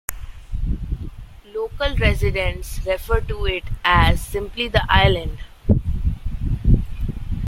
Local residents refer to it as simply The Island.